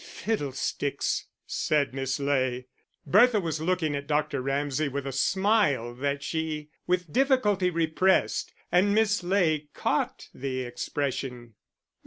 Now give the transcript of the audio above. "Fiddlesticks!" said Miss Ley. Bertha was looking at Dr. Ramsay with a smile that she with difficulty repressed, and Miss Ley caught the expression.